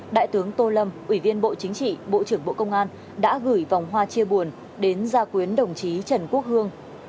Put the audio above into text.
đại tướng tô lâm ủy viên bộ chính trị bộ trưởng bộ công an đã gửi vòng hoa chia buồn đến gia quyến đồng chí trần quốc hương